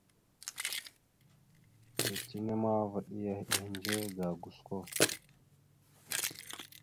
Letine ma, vaɗ ya ehədze ga gosko.